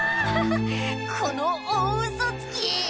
「この大ウソつき！」